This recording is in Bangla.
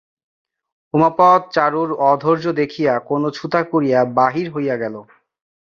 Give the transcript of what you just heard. উমাপদ চারুর অধৈর্য দেখিয়া কোনো ছুতা করিয়া বাহির হইয়া গেল।